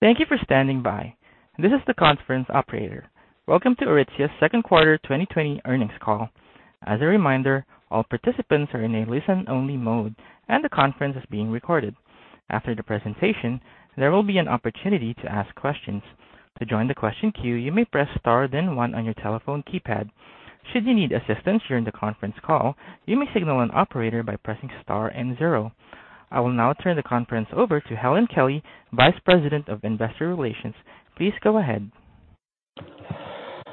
Thank you for standing by. This is the conference operator. Welcome to Aritzia's second quarter 2020 earnings call. As a reminder, all participants are in a listen only mode and the conference is being recorded. After the presentation, there will be an opportunity to ask questions. To join the question queue, you may press star then one on your telephone keypad. Should you need assistance during the conference call, you may signal an operator by pressing star and zero. I will now turn the conference over to Helen Kelly, Vice President of Investor Relations. Please go ahead.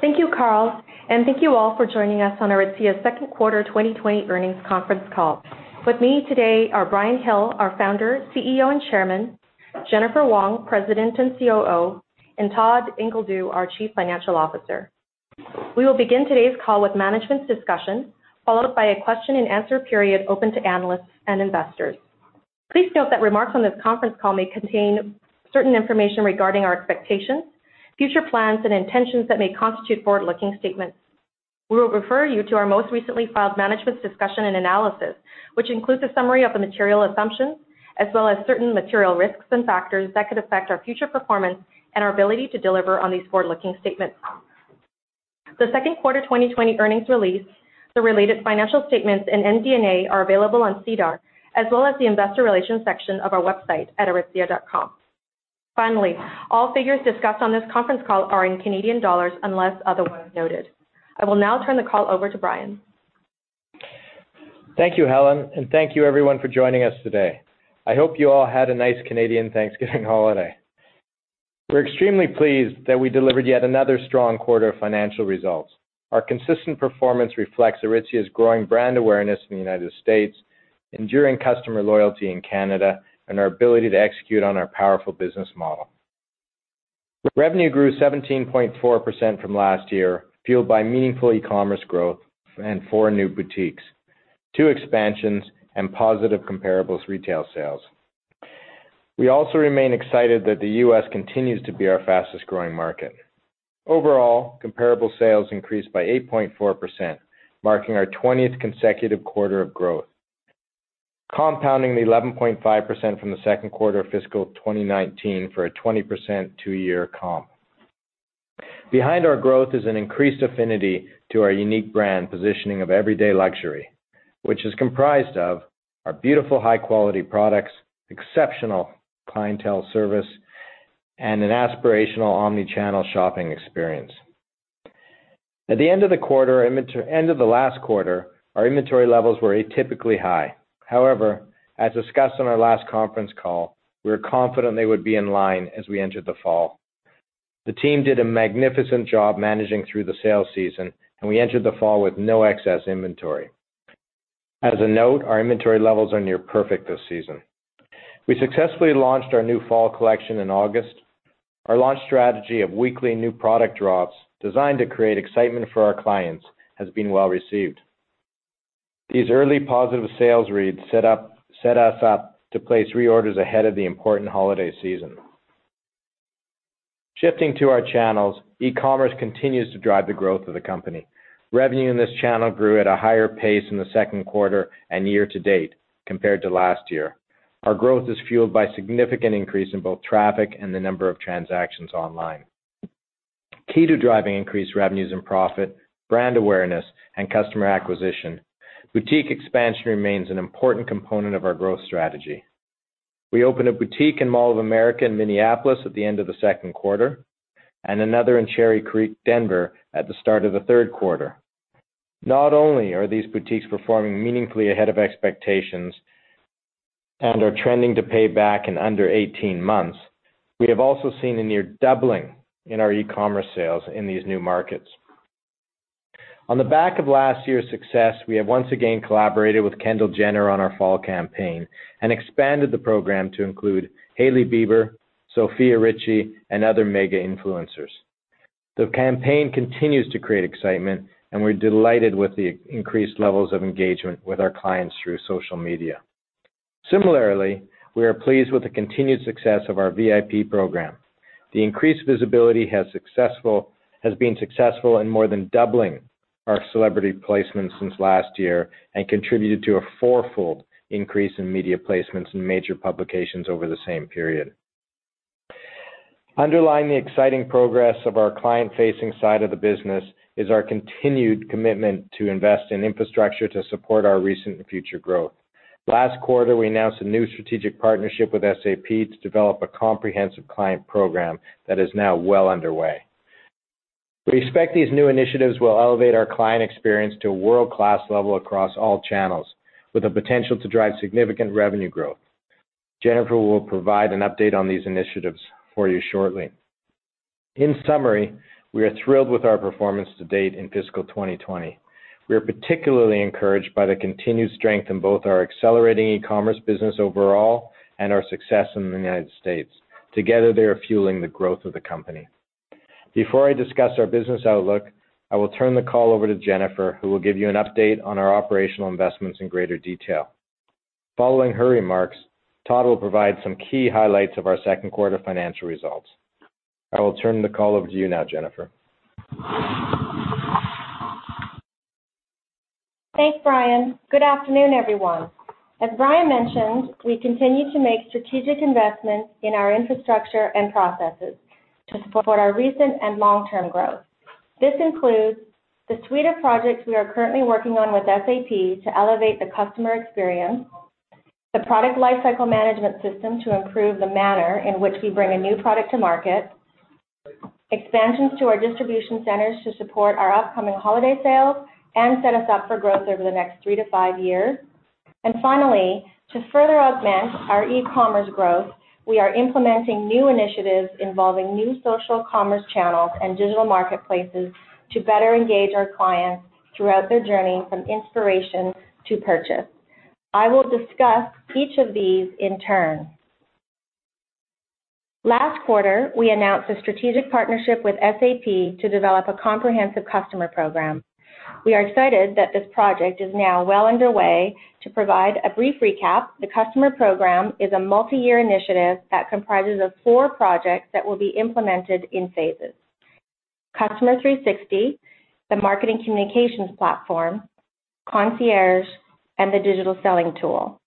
Thank you, Carl, and thank you all for joining us on Aritzia's second quarter 2020 earnings conference call. With me today are Brian Hill, our Founder, CEO, and Chairman, Jennifer Wong, President and COO, and Todd Ingledew, our Chief Financial Officer. We will begin today's call with management's discussion, followed by a question and answer period open to analysts and investors. Please note that remarks on this conference call may contain certain information regarding our expectations, future plans and intentions that may constitute forward-looking statements. We will refer you to our most recently filed management discussion and analysis, which includes a summary of the material assumptions as well as certain material risks and factors that could affect our future performance and our ability to deliver on these forward-looking statements. The second quarter 2020 earnings release, the related financial statements and MD&A are available on SEDAR, as well as the investor relations section of our website at aritzia.com. Finally, all figures discussed on this conference call are in Canadian dollars unless otherwise noted. I will now turn the call over to Brian. Thank you, Helen, and thank you everyone for joining us today. I hope you all had a nice Canadian Thanksgiving holiday. We're extremely pleased that we delivered yet another strong quarter of financial results. Our consistent performance reflects Aritzia's growing brand awareness in the U.S., enduring customer loyalty in Canada, and our ability to execute on our powerful business model. Revenue grew 17.4% from last year, fueled by meaningful e-commerce growth and four new boutiques, two expansions, and positive comparables retail sales. We also remain excited that the U.S. continues to be our fastest growing market. Overall, comparable sales increased by 8.4%, marking our 20th consecutive quarter of growth, compounding the 11.5% from the second quarter of fiscal 2019 for a 20% two year comp. Behind our growth is an increased affinity to our unique brand positioning of everyday luxury, which is comprised of our beautiful, high quality products, exceptional clientele service, and an aspirational omni-channel shopping experience. At the end of the last quarter, our inventory levels were atypically high. However, as discussed on our last conference call, we were confident they would be in line as we entered the fall. The team did a magnificent job managing through the sale season, and we entered the fall with no excess inventory. As a note, our inventory levels are near perfect this season. We successfully launched our new fall collection in August. Our launch strategy of weekly new product drops, designed to create excitement for our clients, has been well received. These early positive sales reads set us up to place reorders ahead of the important holiday season. Shifting to our channels, e-commerce continues to drive the growth of the company. Revenue in this channel grew at a higher pace in the second quarter and year to date compared to last year. Our growth is fueled by significant increase in both traffic and the number of transactions online. Key to driving increased revenues and profit, brand awareness and customer acquisition, boutique expansion remains an important component of our growth strategy. We opened a boutique in Mall of America in Minneapolis at the end of the second quarter, and another in Cherry Creek, Denver at the start of the third quarter. Not only are these boutiques performing meaningfully ahead of expectations and are trending to pay back in under 18 months, we have also seen a near doubling in our e-commerce sales in these new markets. On the back of last year's success, we have once again collaborated with Kendall Jenner on our fall campaign and expanded the program to include Hailey Bieber, Sofia Richie, and other mega influencers. The campaign continues to create excitement and we're delighted with the increased levels of engagement with our clients through social media. Similarly, we are pleased with the continued success of our VIP program. The increased visibility has been successful in more than doubling our celebrity placements since last year and contributed to a four-fold increase in media placements in major publications over the same period. Underlying the exciting progress of our client facing side of the business is our continued commitment to invest in infrastructure to support our recent and future growth. Last quarter, we announced a new strategic partnership with SAP to develop a comprehensive client program that is now well underway. We expect these new initiatives will elevate our client experience to a world-class level across all channels with the potential to drive significant revenue growth. Jennifer will provide an update on these initiatives for you shortly. In summary, we are thrilled with our performance to date in fiscal 2020. We are particularly encouraged by the continued strength in both our accelerating e-commerce business overall and our success in the United States. Together, they are fueling the growth of the company. Before I discuss our business outlook, I will turn the call over to Jennifer, who will give you an update on our operational investments in greater detail. Following her remarks, Todd will provide some key highlights of our second quarter financial results. I will turn the call over to you now, Jennifer. Thanks, Brian. Good afternoon, everyone. As Brian mentioned, we continue to make strategic investments in our infrastructure and processes to support our recent and long-term growth. This includes the suite of projects we are currently working on with SAP to elevate the customer experience, the product lifecycle management system to improve the manner in which we bring a new product to market, expansions to our distribution centers to support our upcoming holiday sales and set us up for growth over the next three to five years, and finally, to further augment our e-commerce growth, we are implementing new initiatives involving new social commerce channels and digital marketplaces to better engage our clients throughout their journey from inspiration to purchase. I will discuss each of these in turn. Last quarter, we announced a strategic partnership with SAP to develop a comprehensive customer program. We are excited that this project is now well underway. To provide a brief recap, the Customer program is a multi-year initiative that comprises of 4 projects that will be implemented in phases. Customer 360, the Marketing Communications Platform, Concierge, and the Digital Selling Tool.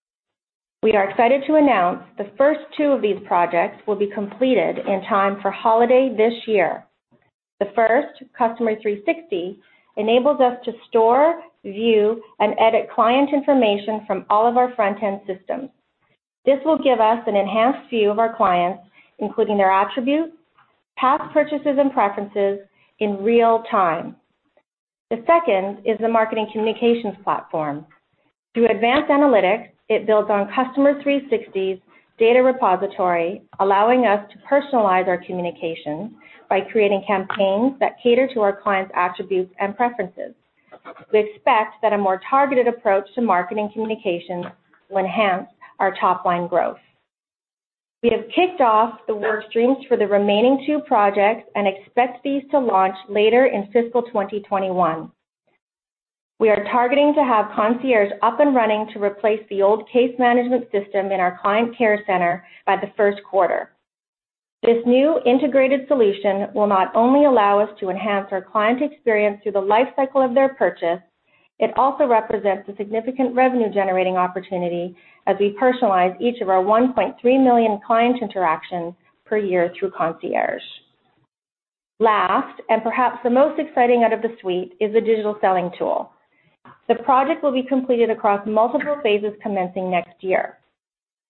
We are excited to announce the first two of these projects will be completed in time for holiday this year. The first, Customer 360, enables us to store, view, and edit client information from all of our front-end systems. This will give us an enhanced view of our clients, including their attributes, past purchases, and preferences in real time. The second is the Marketing Communications Platform. Through advanced analytics, it builds on Customer 360's data repository, allowing us to personalize our communication by creating campaigns that cater to our clients' attributes and preferences. We expect that a more targeted approach to marketing communications will enhance our top-line growth. We have kicked off the work streams for the remaining two projects and expect these to launch later in fiscal 2021. We are targeting to have concierge up and running to replace the old case management system in our client care center by the first quarter. This new integrated solution will not only allow us to enhance our client experience through the life cycle of their purchase, it also represents a significant revenue-generating opportunity as we personalize each of our 1.3 million client interactions per year through concierge. Last, perhaps the most exciting out of the suite, is the digital selling tool. The project will be completed across multiple phases commencing next year.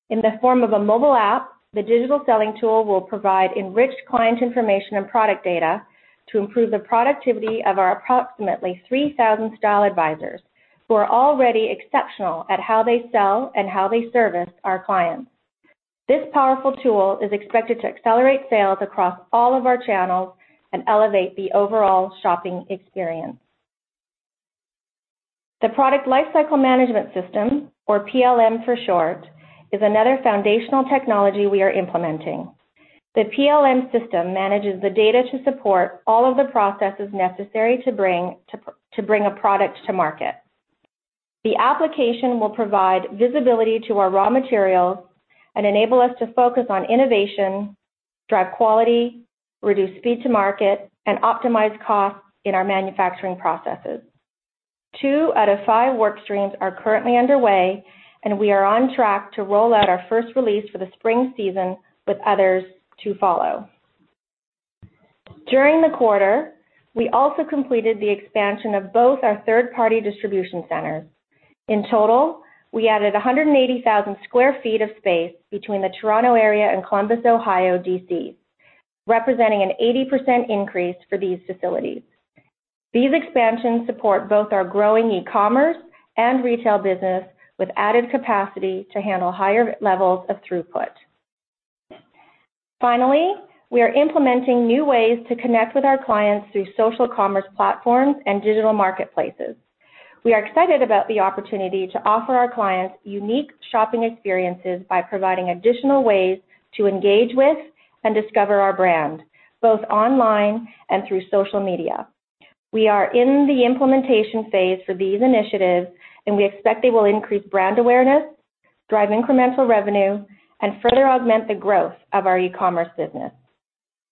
In the form of a mobile app, the digital selling tool will provide enriched client information and product data to improve the productivity of our approximately 3,000 style advisors, who are already exceptional at how they sell and how they service our clients. This powerful tool is expected to accelerate sales across all of our channels and elevate the overall shopping experience. The product lifecycle management system, or PLM for short, is another foundational technology we are implementing. The PLM system manages the data to support all of the processes necessary to bring a product to market. The application will provide visibility to our raw materials and enable us to focus on innovation, drive quality, reduce speed to market, and optimize costs in our manufacturing processes. Two out of five work streams are currently underway, and we are on track to roll out our first release for the spring season, with others to follow. During the quarter, we also completed the expansion of both our third-party distribution centers. In total, we added 180,000 sq ft of space between the Toronto area and Columbus, Ohio, DCs, representing an 80% increase for these facilities. These expansions support both our growing e-commerce and retail business with added capacity to handle higher levels of throughput. Finally, we are implementing new ways to connect with our clients through social commerce platforms and digital marketplaces. We are excited about the opportunity to offer our clients unique shopping experiences by providing additional ways to engage with and discover our brand, both online and through social media. We are in the implementation phase for these initiatives, and we expect they will increase brand awareness, drive incremental revenue, and further augment the growth of our e-commerce business.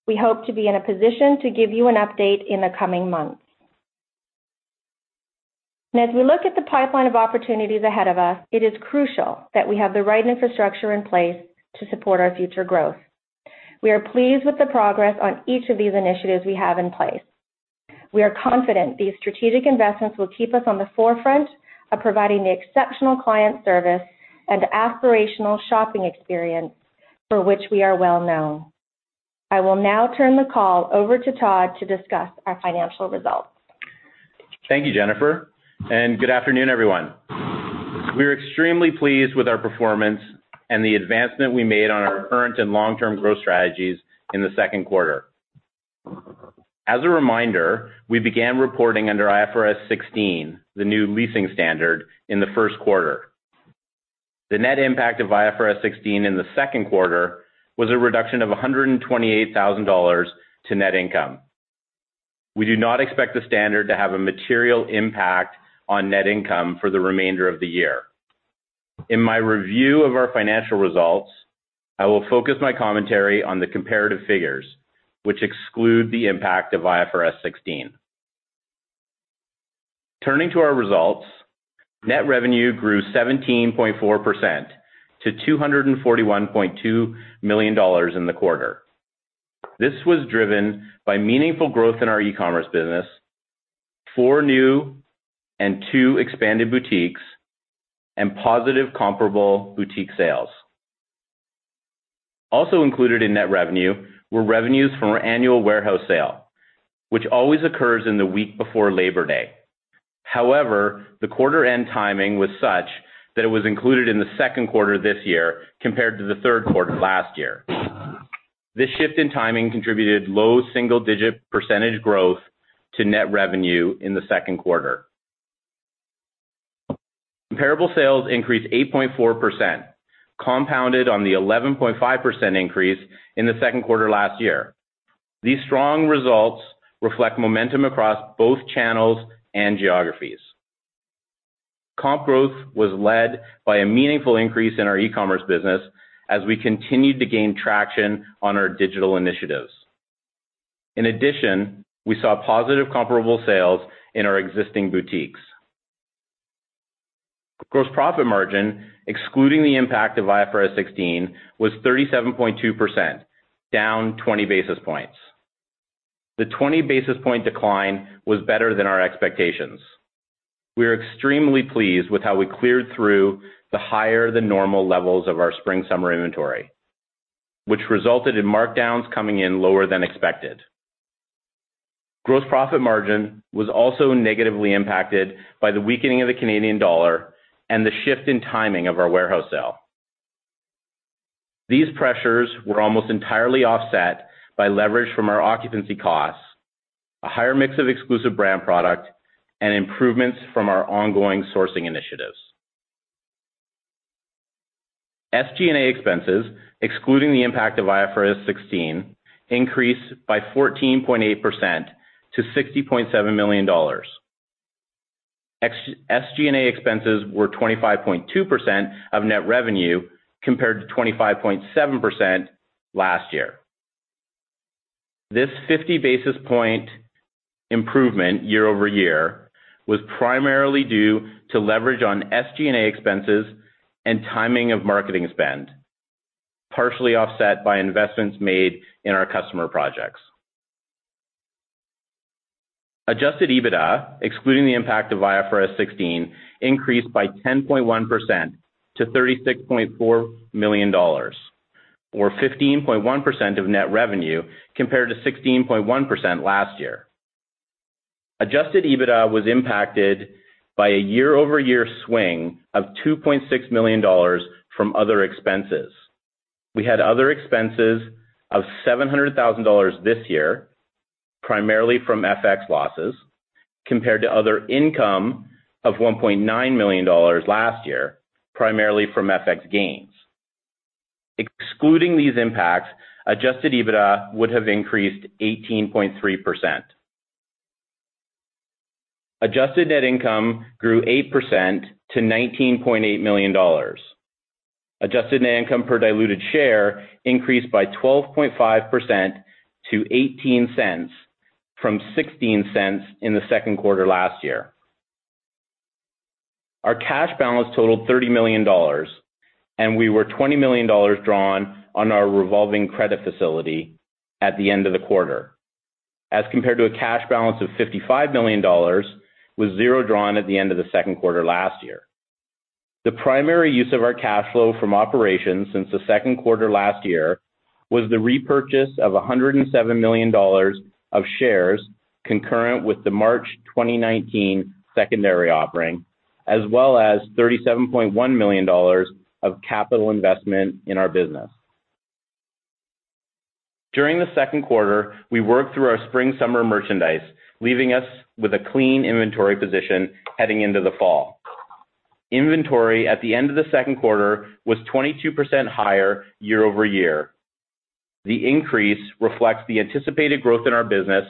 We hope to be in a position to give you an update in the coming months. As we look at the pipeline of opportunities ahead of us, it is crucial that we have the right infrastructure in place to support our future growth. We are pleased with the progress on each of these initiatives we have in place. We are confident these strategic investments will keep us on the forefront of providing the exceptional client service and aspirational shopping experience for which we are well known. I will now turn the call over to Todd to discuss our financial results. Thank you, Jennifer, and good afternoon, everyone. We are extremely pleased with our performance and the advancement we made on our current and long-term growth strategies in the second quarter. As a reminder, we began reporting under IFRS 16, the new leasing standard, in the first quarter. The net impact of IFRS 16 in the second quarter was a reduction of 128,000 dollars to net income. We do not expect the standard to have a material impact on net income for the remainder of the year. In my review of our financial results, I will focus my commentary on the comparative figures, which exclude the impact of IFRS 16. Turning to our results, net revenue grew 17.4% to 241.2 million dollars in the quarter. This was driven by meaningful growth in our e-commerce business, four new and two expanded boutiques, and positive comparable boutique sales. Also included in net revenue were revenues from our annual warehouse sale, which always occurs in the week before Labor Day. The quarter end timing was such that it was included in the second quarter this year, compared to the third quarter last year. This shift in timing contributed low single-digit percentage growth to net revenue in the second quarter. Comparable sales increased 8.4%, compounded on the 11.5% increase in the second quarter last year. These strong results reflect momentum across both channels and geographies. Comp growth was led by a meaningful increase in our e-commerce business as we continued to gain traction on our digital initiatives. In addition, we saw positive comparable sales in our existing boutiques. Gross profit margin, excluding the impact of IFRS 16, was 37.2%, down 20 basis points. The 20 basis point decline was better than our expectations. We are extremely pleased with how we cleared through the higher-than-normal levels of our spring/summer inventory, which resulted in markdowns coming in lower than expected. Gross profit margin was also negatively impacted by the weakening of the Canadian dollar and the shift in timing of our warehouse sale. These pressures were almost entirely offset by leverage from our occupancy costs, a higher mix of exclusive brand product, and improvements from our ongoing sourcing initiatives. SG&A expenses, excluding the impact of IFRS 16, increased by 14.8% to 60.7 million dollars. SG&A expenses were 25.2% of net revenue, compared to 25.7% last year. This 50 basis point improvement year-over-year was primarily due to leverage on SG&A expenses and timing of marketing spend, partially offset by investments made in our customer projects. Adjusted EBITDA, excluding the impact of IFRS 16, increased by 10.1% to 36.4 million dollars, or 15.1% of net revenue, compared to 16.1% last year. Adjusted EBITDA was impacted by a year-over-year swing of 2.6 million dollars from other expenses. We had other expenses of 700,000 dollars this year, primarily from FX losses, compared to other income of 1.9 million dollars last year, primarily from FX gains. Excluding these impacts, Adjusted EBITDA would have increased 18.3%. Adjusted net income grew 8% to 19.8 million dollars. Adjusted net income per diluted share increased by 12.5% to 0.18 from 0.16 in the second quarter last year. Our cash balance totaled 30 million dollars, and we were 20 million dollars drawn on our revolving credit facility at the end of the quarter, as compared to a cash balance of 55 million dollars, with zero drawn at the end of the second quarter last year. The primary use of our cash flow from operations since the second quarter last year was the repurchase of 107 million dollars of shares concurrent with the March 2019 secondary offering, as well as 37.1 million dollars of capital investment in our business. During the second quarter, we worked through our spring/summer merchandise, leaving us with a clean inventory position heading into the fall. Inventory at the end of the second quarter was 22% higher year-over-year. The increase reflects the anticipated growth in our business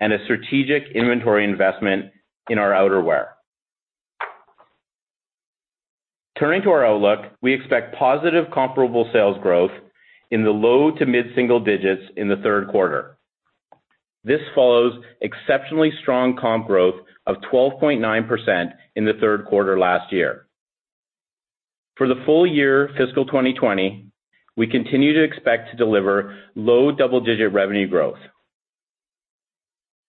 and a strategic inventory investment in our outerwear. Turning to our outlook, we expect positive comparable sales growth in the low to mid-single digits in the third quarter. This follows exceptionally strong comp growth of 12.9% in the third quarter last year. For the full year fiscal 2020, we continue to expect to deliver low double-digit revenue growth.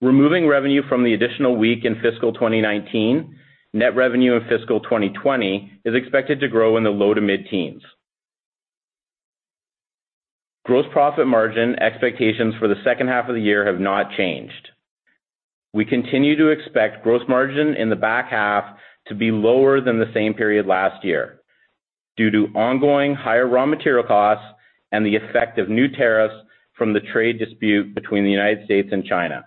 Removing revenue from the additional week in fiscal 2019, net revenue in fiscal 2020 is expected to grow in the low to mid-teens. Gross profit margin expectations for the second half of the year have not changed. We continue to expect gross margin in the back half to be lower than the same period last year due to ongoing higher raw material costs and the effect of new tariffs from the trade dispute between the United States and China.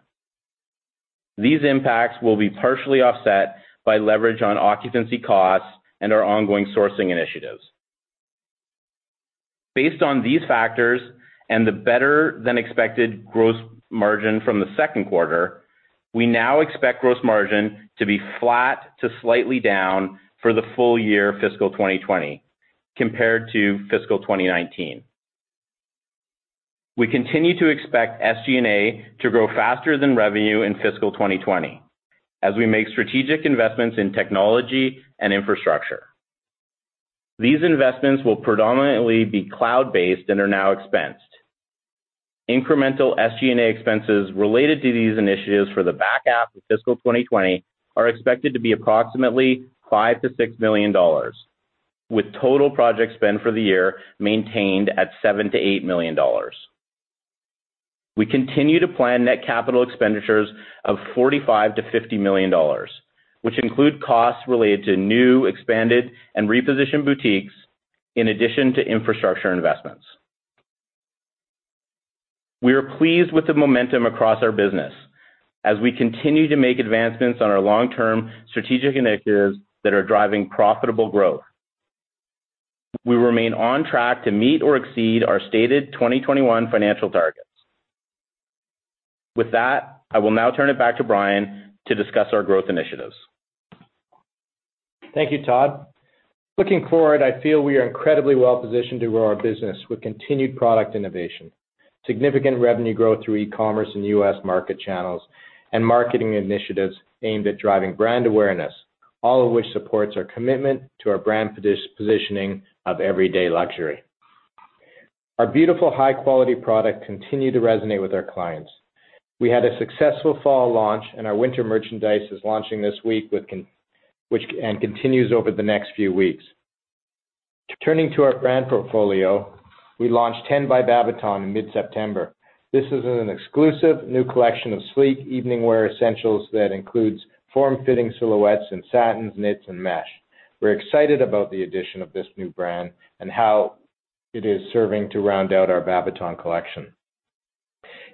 These impacts will be partially offset by leverage on occupancy costs and our ongoing sourcing initiatives. Based on these factors and the better-than-expected gross margin from the second quarter, we now expect gross margin to be flat to slightly down for the full year fiscal 2020 compared to fiscal 2019. We continue to expect SG&A to grow faster than revenue in fiscal 2020 as we make strategic investments in technology and infrastructure. These investments will predominantly be cloud-based and are now expensed. Incremental SG&A expenses related to these initiatives for the back half of fiscal 2020 are expected to be approximately 5 million-6 million dollars, with total project spend for the year maintained at 7 million-8 million dollars. We continue to plan net capital expenditures of 45 million-50 million dollars, which include costs related to new, expanded, and repositioned boutiques in addition to infrastructure investments. We are pleased with the momentum across our business as we continue to make advancements on our long-term strategic initiatives that are driving profitable growth. We remain on track to meet or exceed our stated 2021 financial targets. With that, I will now turn it back to Brian to discuss our growth initiatives. Thank you, Todd. Looking forward, I feel we are incredibly well-positioned to grow our business with continued product innovation, significant revenue growth through e-commerce and U.S. market channels, and marketing initiatives aimed at driving brand awareness, all of which supports our commitment to our brand positioning of everyday luxury. Our beautiful, high-quality product continue to resonate with our clients. We had a successful fall launch, and our winter merchandise is launching this week and continues over the next few weeks. Turning to our brand portfolio, we launched Ten by Babaton in mid-September. This is an exclusive new collection of sleek evening wear essentials that includes form-fitting silhouettes in satins, knits, and mesh. We're excited about the addition of this new brand and how it is serving to round out our Babaton collection.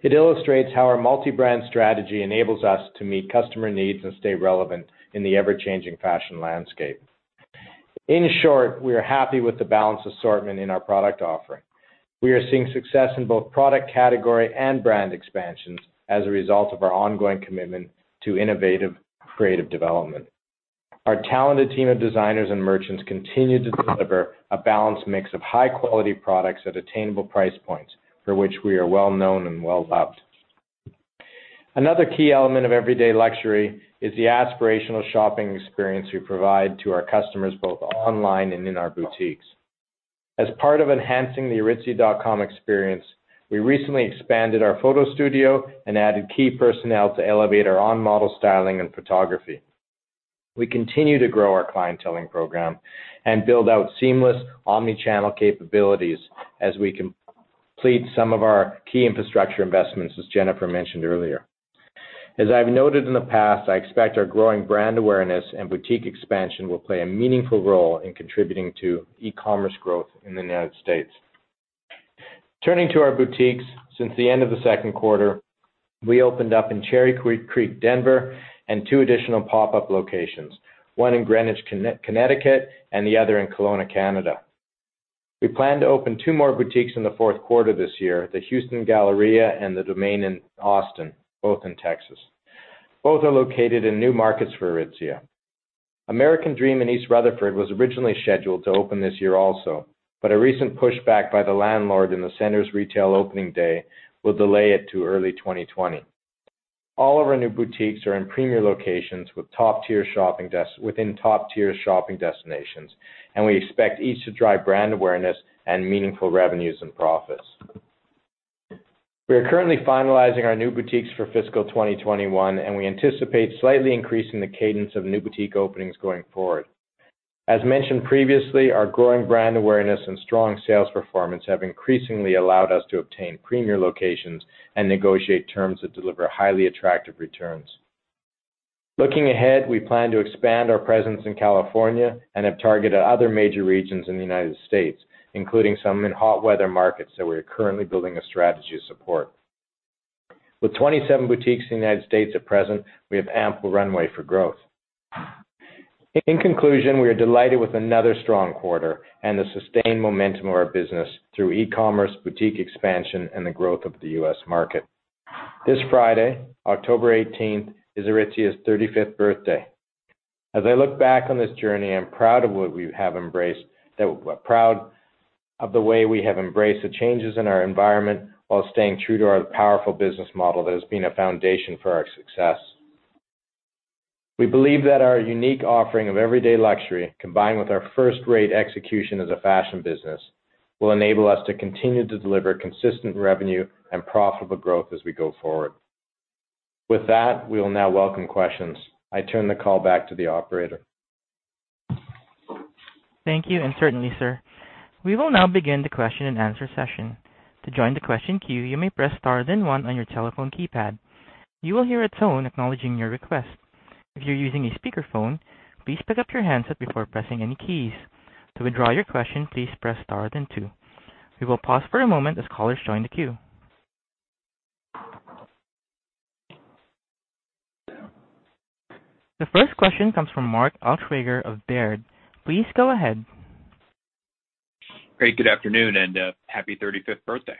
It illustrates how our multi-brand strategy enables us to meet customer needs and stay relevant in the ever-changing fashion landscape. In short, we are happy with the balanced assortment in our product offering. We are seeing success in both product category and brand expansions as a result of our ongoing commitment to innovative creative development. Our talented team of designers and merchants continue to deliver a balanced mix of high-quality products at attainable price points for which we are well-known and well-loved. Another key element of everyday luxury is the aspirational shopping experience we provide to our customers both online and in our boutiques. As part of enhancing the aritzia.com experience, we recently expanded our photo studio and added key personnel to elevate our on-model styling and photography. We continue to grow our clienteling program and build out seamless omni-channel capabilities as we complete some of our key infrastructure investments, as Jennifer mentioned earlier. As I've noted in the past, I expect our growing brand awareness and boutique expansion will play a meaningful role in contributing to e-commerce growth in the United States. Turning to our boutiques, since the end of the second quarter, we opened up in Cherry Creek, Denver, and two additional pop-up locations, one in Greenwich, Connecticut, and the other in Kelowna, Canada. We plan to open two more boutiques in the fourth quarter this year, the Houston Galleria and The Domain in Austin, both in Texas. Both are located in new markets for Aritzia. American Dream in East Rutherford was originally scheduled to open this year also, but a recent pushback by the landlord in the center's retail opening day will delay it to early 2020. All of our new boutiques are in premier locations within top-tier shopping destinations, and we expect each to drive brand awareness and meaningful revenues and profits. We are currently finalizing our new boutiques for fiscal 2021, and we anticipate slightly increasing the cadence of new boutique openings going forward. As mentioned previously, our growing brand awareness and strong sales performance have increasingly allowed us to obtain premier locations and negotiate terms that deliver highly attractive returns. Looking ahead, we plan to expand our presence in California and have targeted other major regions in the United States, including some in hot weather markets that we are currently building a strategy to support. With 27 boutiques in the U.S. at present, we have ample runway for growth. In conclusion, we are delighted with another strong quarter and the sustained momentum of our business through e-commerce, boutique expansion, and the growth of the U.S. market. This Friday, October 18th, is Aritzia's 35th birthday. As I look back on this journey, I'm proud of the way we have embraced the changes in our environment while staying true to our powerful business model that has been a foundation for our success. We believe that our unique offering of everyday luxury, combined with our first-rate execution as a fashion business, will enable us to continue to deliver consistent revenue and profitable growth as we go forward. With that, we will now welcome questions. I turn the call back to the operator. Thank you, and certainly, sir. We will now begin the question and answer session. To join the question queue, you may press star then one on your telephone keypad. You will hear a tone acknowledging your request. If you're using a speakerphone, please pick up your handset before pressing any keys. To withdraw your question, please press star then two. We will pause for a moment as callers join the queue. The first question comes from Mark Altschwager of Baird. Please go ahead. Great. Good afternoon, and happy 35th birthday.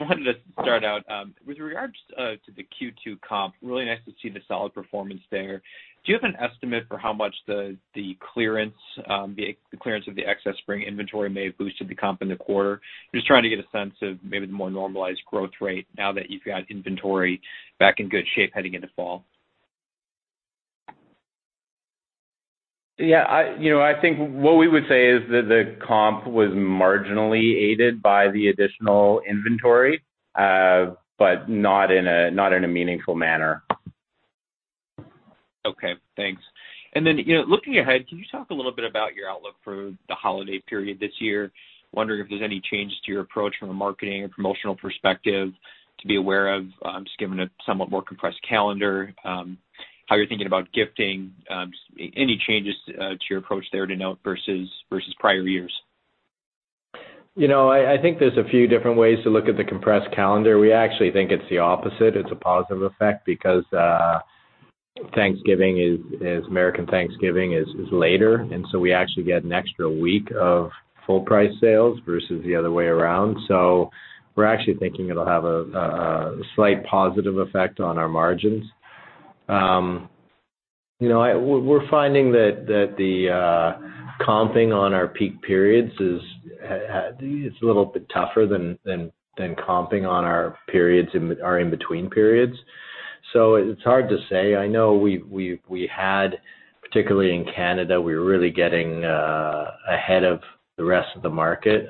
I wanted to start out, with regards to the Q2 comp, really nice to see the solid performance there. Do you have an estimate for how much the clearance of the excess spring inventory may have boosted the comp in the quarter? Just trying to get a sense of maybe the more normalized growth rate now that you've got inventory back in good shape heading into fall. Yeah. I think what we would say is that the comp was marginally aided by the additional inventory, but not in a meaningful manner. Okay, thanks. Looking ahead, can you talk a little bit about your outlook for the holiday period this year? Wondering if there's any change to your approach from a marketing and promotional perspective to be aware of, just given a somewhat more compressed calendar, how you're thinking about gifting. Any changes to your approach there to note versus prior years? I think there's a few different ways to look at the compressed calendar. We actually think it's the opposite. It's a positive effect because American Thanksgiving is later, we actually get an extra week of full price sales versus the other way around. We're actually thinking it'll have a slight positive effect on our margins. We're finding that the comping on our peak periods is a little bit tougher than comping on our in-between periods. It's hard to say. I know we had, particularly in Canada, we were really getting ahead of the rest of the market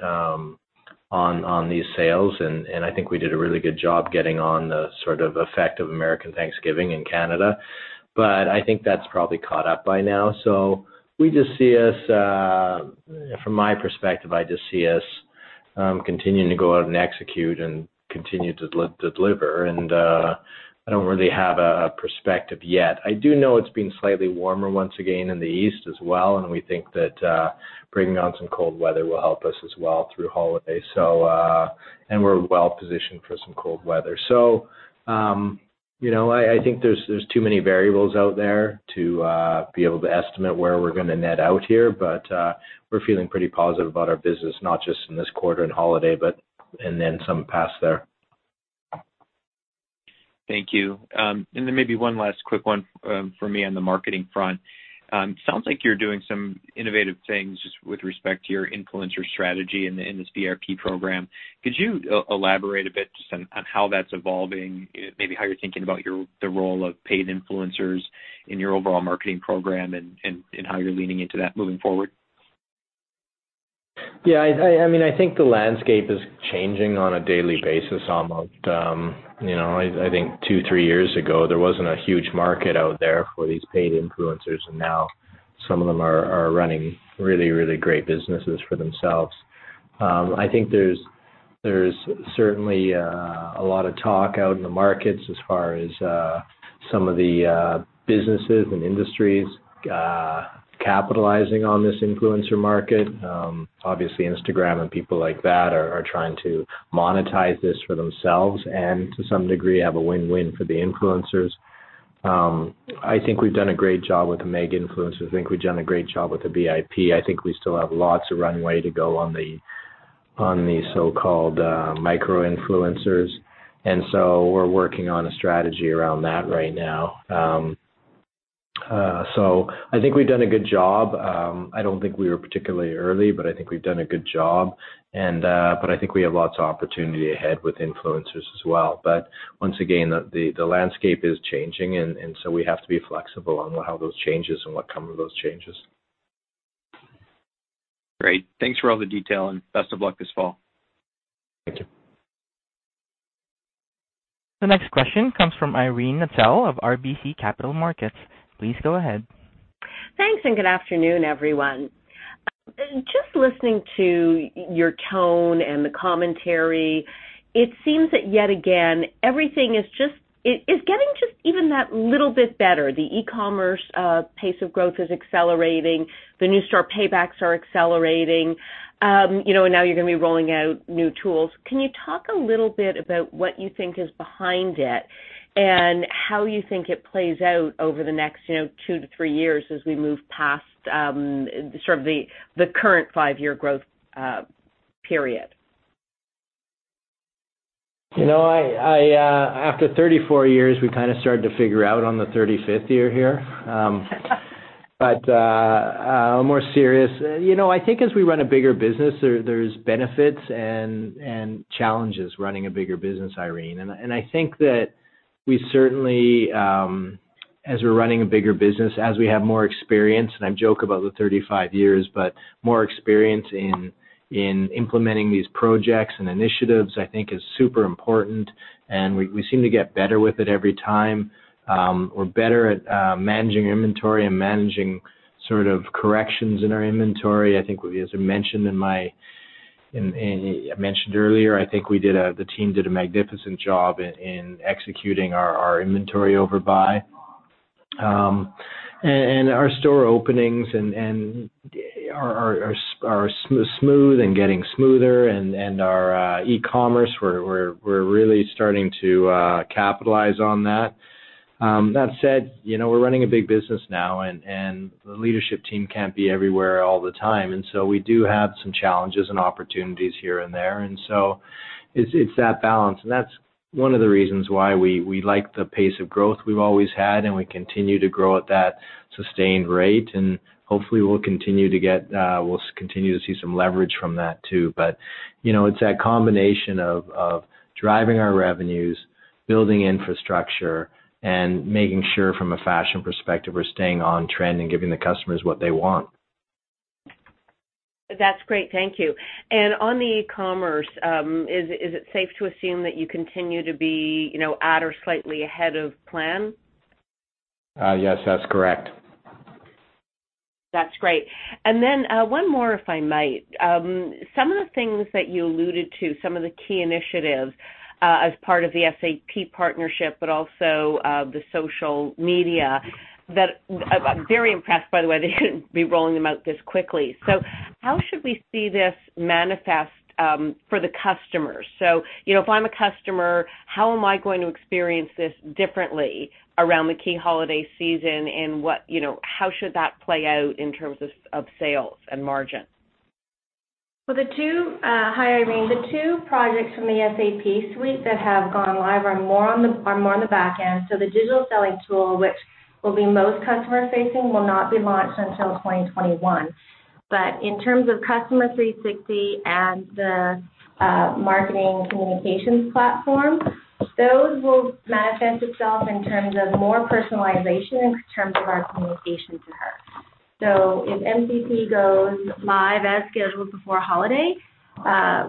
on these sales, I think we did a really good job getting on the sort of effect of American Thanksgiving in Canada. I think that's probably caught up by now. From my perspective, I just see us continuing to go out and execute and continue to deliver, and I don't really have a perspective yet. I do know it's been slightly warmer once again in the East as well, and we think that bringing on some cold weather will help us as well through holiday. We're well-positioned for some cold weather. I think there's too many variables out there to be able to estimate where we're going to net out here. We're feeling pretty positive about our business, not just in this quarter and holiday, and then some past there. Thank you. Then maybe one last quick one from me on the marketing front. Sounds like you're doing some innovative things with respect to your influencer strategy in this VIP program. Could you elaborate a bit just on how that's evolving, maybe how you're thinking about the role of paid influencers in your overall marketing program and how you're leaning into that moving forward? Yeah. I think the landscape is changing on a daily basis, almost. I think two, three years ago, there wasn't a huge market out there for these paid influencers, and now some of them are running really great businesses for themselves. I think there's certainly a lot of talk out in the markets as far as some of the businesses and industries capitalizing on this influencer market. Obviously, Instagram and people like that are trying to monetize this for themselves and to some degree have a win-win for the influencers. I think we've done a great job with the mega influencers. I think we've done a great job with the VIP. I think we still have lots of runway to go on the so-called micro-influencers, and so we're working on a strategy around that right now. I think we've done a good job. I don't think we were particularly early, but I think we've done a good job. I think we have lots of opportunity ahead with influencers as well. Once again, the landscape is changing, and so we have to be flexible on how those changes and what comes with those changes. Great. Thanks for all the detail. Best of luck this fall. Thank you. The next question comes from Irene Nattel of RBC Capital Markets. Please go ahead. Thanks. Good afternoon, everyone. Just listening to your tone and the commentary, it seems that yet again, everything is getting just even that little bit better. The e-commerce pace of growth is accelerating. The new store paybacks are accelerating. Now you're going to be rolling out new tools. Can you talk a little bit about what you think is behind it and how you think it plays out over the next two to three years as we move past the current five-year growth period? After 34 years, we kind of started to figure out on the 35th year here. More serious, I think as we run a bigger business, there's benefits and challenges running a bigger business, Irene. I think that we certainly, as we're running a bigger business, as we have more experience, and I joke about the 35 years, but more experience in implementing these projects and initiatives, I think is super important, and we seem to get better with it every time. We're better at managing inventory and managing sort of corrections in our inventory. I think as I mentioned earlier, I think the team did a magnificent job in executing our inventory overbuy. Our store openings are smooth and getting smoother, and our e-commerce, we're really starting to capitalize on that. That said, we're running a big business now, and the leadership team can't be everywhere all the time, and so we do have some challenges and opportunities here and there. It's that balance. That's one of the reasons why we like the pace of growth we've always had, and we continue to grow at that sustained rate. Hopefully we'll continue to see some leverage from that, too. It's that combination of driving our revenues, building infrastructure, and making sure from a fashion perspective, we're staying on trend and giving the customers what they want. That's great. Thank you. On the e-commerce, is it safe to assume that you continue to be at or slightly ahead of plan? Yes, that's correct. That's great. One more, if I might. Some of the things that you alluded to, some of the key initiatives as part of the SAP partnership, the social media that I'm very impressed by the way that you'd be rolling them out this quickly. How should we see this manifest for the customers? If I'm a customer, how am I going to experience this differently around the key holiday season and how should that play out in terms of sales and margins? Hi, Irene. The two projects from the SAP suite that have gone live are more on the back end. The digital selling tool, which will be most customer facing, will not be launched until 2021. In terms of Customer 360 and the marketing communications platform, those will manifest itself in terms of more personalization in terms of our communication to customers. If MCP goes live as scheduled before holiday,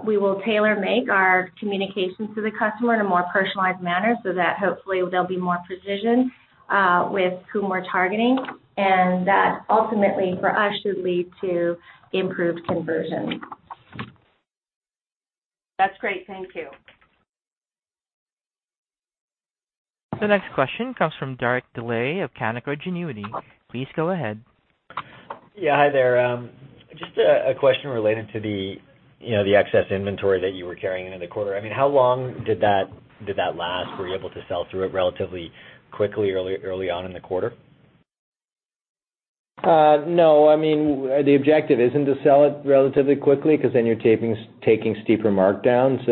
we will tailor make our communications to the customer in a more personalized manner so that hopefully there'll be more precision with whom we're targeting, and that ultimately for us should lead to improved conversion. That's great. Thank you. The next question comes from Derek Dley of Canaccord Genuity. Please go ahead. Yeah. Hi there. Just a question related to the excess inventory that you were carrying into the quarter. How long did that last? Were you able to sell through it relatively quickly, early on in the quarter? No, the objective isn't to sell it relatively quickly because then you're taking steeper markdowns.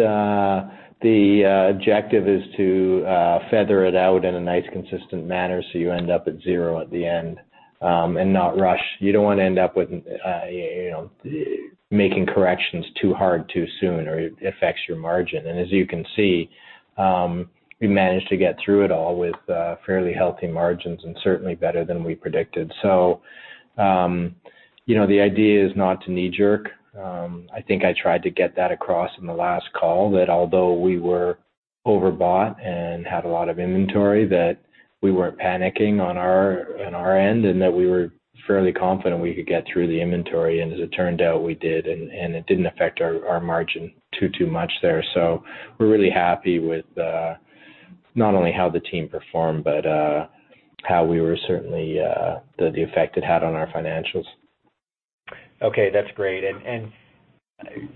The objective is to feather it out in a nice, consistent manner so you end up at zero at the end, and not rush. You don't want to end up with making corrections too hard too soon, or it affects your margin. As you can see, we managed to get through it all with fairly healthy margins and certainly better than we predicted. The idea is not to knee-jerk. I think I tried to get that across in the last call, that although we were overbought and had a lot of inventory, that we weren't panicking on our end, and that we were fairly confident we could get through the inventory, and as it turned out, we did, and it didn't affect our margin too much there. We're really happy with not only how the team performed, but how we were certainly, the effect it had on our financials. Okay. That's great.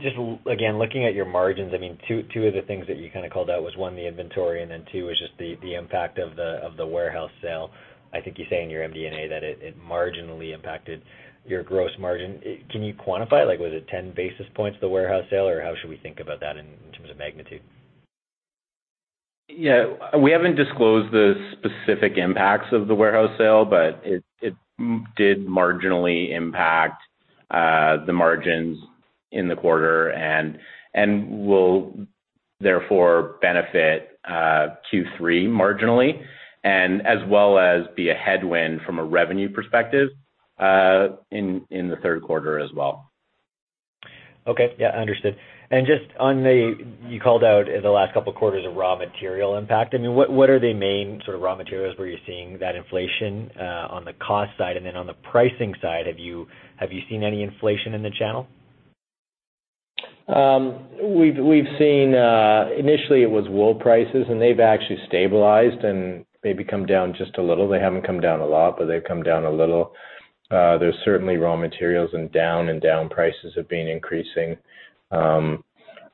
Just again, looking at your margins, two of the things that you called out was one, the inventory, and then two was just the impact of the warehouse sale. I think you say in your MD&A that it marginally impacted your gross margin. Can you quantify, like was it 10 basis points, the warehouse sale, or how should we think about that in terms of magnitude? Yeah. We haven't disclosed the specific impacts of the warehouse sale, but it did marginally impact the margins in the quarter and will therefore benefit Q3 marginally and as well as be a headwind from a revenue perspective in the third quarter as well. Okay. Yeah, understood. Just on the, you called out in the last couple of quarters, a raw material impact. What are the main raw materials where you're seeing that inflation on the cost side, and then on the pricing side, have you seen any inflation in the channel? We've seen, initially it was wool prices, and they've actually stabilized and maybe come down just a little. They haven't come down a lot, but they've come down a little. There's certainly raw materials and down prices have been increasing.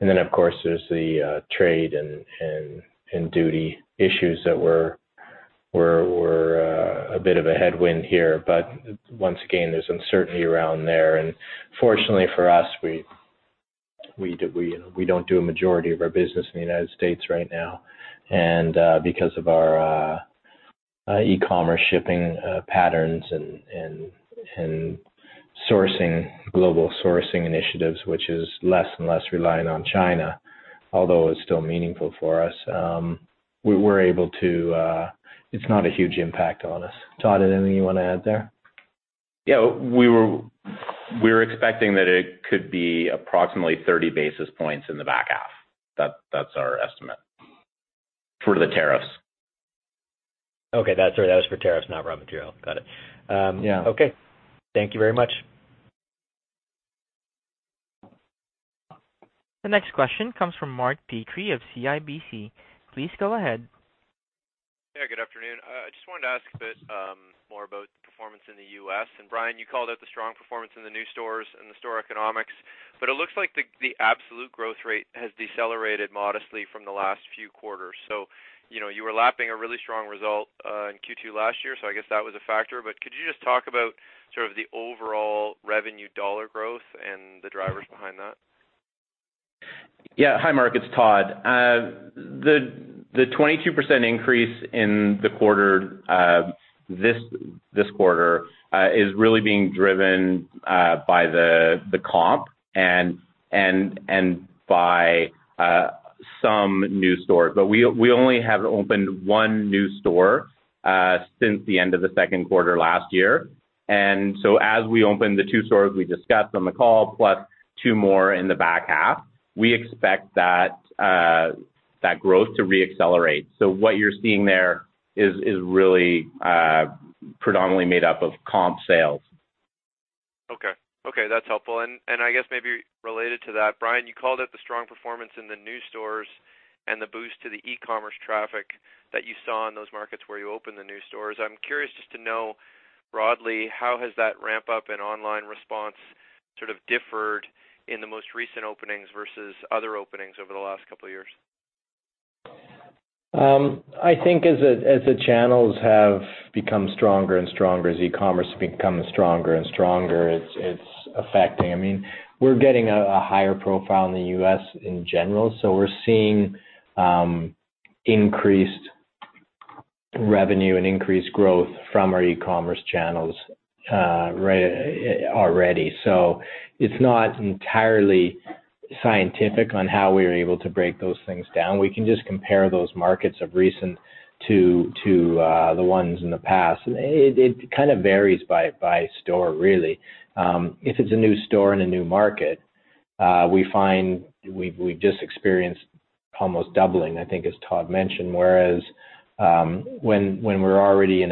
Then of course, there's the trade and duty issues that were a bit of a headwind here. Once again, there's uncertainty around there. Fortunately for us, we don't do a majority of our business in the U.S. right now. Because of our e-commerce shipping patterns and global sourcing initiatives, which is less and less reliant on China, although it's still meaningful for us, it's not a huge impact on us. Todd, anything you want to add there? Yeah, we're expecting that it could be approximately 30 basis points in the back half. That's our estimate for the tariffs. Okay. That's right. That was for tariffs, not raw material. Got it. Yeah. Okay. Thank you very much. The next question comes from Mark Petrie of CIBC. Please go ahead. Yeah, good afternoon. I just wanted to ask a bit more about the performance in the U.S. Brian, you called out the strong performance in the new stores and the store economics, it looks like the absolute growth rate has decelerated modestly from the last few quarters. You were lapping a really strong result in Q2 last year, I guess that was a factor. Could you just talk about sort of the overall revenue dollar growth and the drivers behind that? Hi, Mark. It's Todd. The 22% increase this quarter is really being driven by the comp and by some new stores. We only have opened one new store since the end of the second quarter last year. As we open the two stores we discussed on the call, plus two more in the back half, we expect that growth to re-accelerate. What you're seeing there is really predominantly made up of comp sales. Okay. That's helpful. I guess maybe related to that, Brian, you called out the strong performance in the new stores and the boost to the e-commerce traffic that you saw in those markets where you opened the new stores. I'm curious just to know, broadly, how has that ramp-up in online response sort of differed in the most recent openings versus other openings over the last couple of years? I think as the channels have become stronger and stronger, as e-commerce becomes stronger and stronger, it's affecting. We're getting a higher profile in the U.S. in general, we're seeing increased revenue and increased growth from our e-commerce channels already. It's not entirely scientific on how we are able to break those things down. We can just compare those markets of recent to the ones in the past. It kind of varies by store, really. If it's a new store in a new market, we find we've just experienced almost doubling, I think, as Todd mentioned, whereas when we're in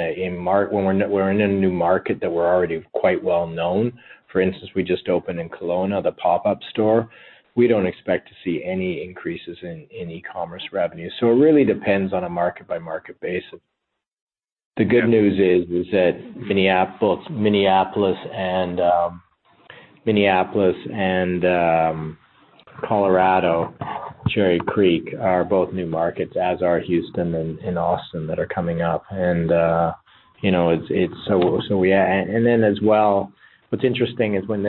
a new market that we're already quite well-known, for instance, we just opened in Kelowna, the pop-up store, we don't expect to see any increases in e-commerce revenue. It really depends on a market-by-market basis. The good news is that Minneapolis and Colorado, Cherry Creek, are both new markets, as are Houston and Austin that are coming up. Then as well, what's interesting is when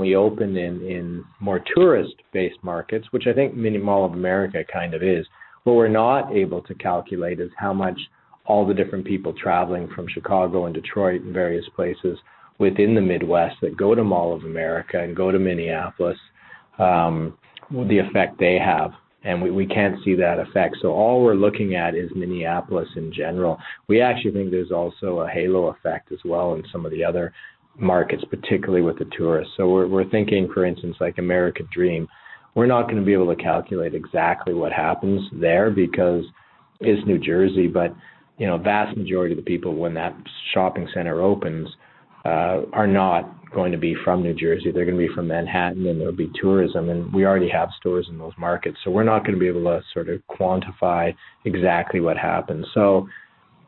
we open in more tourist-based markets, which I think Mall of America kind of is, what we're not able to calculate is how much all the different people traveling from Chicago and Detroit and various places within the Midwest that go to Mall of America and go to Minneapolis, the effect they have, and we can't see that effect. All we're looking at is Minneapolis in general. We actually think there's also a halo effect as well in some of the other markets, particularly with the tourists. We're thinking, for instance, like American Dream. We're not going to be able to calculate exactly what happens there because it's New Jersey, but vast majority of the people when that shopping center opens are not going to be from New Jersey. They're going to be from Manhattan, and there will be tourism, and we already have stores in those markets. We're not going to be able to sort of quantify exactly what happens.